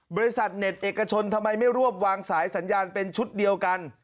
บริษัทเน็ตเอกชนทำไมไม่รวบวางสายสัญญาณเป็นชุดเดียวกัน